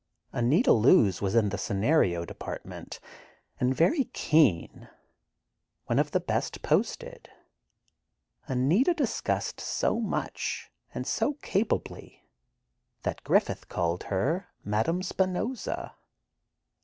Anita Loos was in the scenario department, and very keen, one of the best posted. Anita discussed so much, and so capably, that Griffith called her "Madame Spinoza."